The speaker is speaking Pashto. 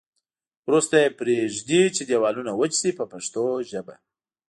وروسته یې پرېږدي چې دېوالونه وچ شي په پښتو ژبه.